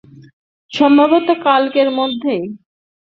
সম্ভবত কালকের মধ্যেই।